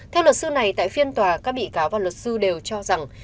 theo luật sư này tại phiên tòa các bị cáo và luật sư đều cho rằng